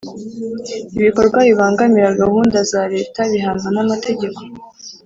Ibikorwa bibangamira gahunda za leta bihanwa n’amategeko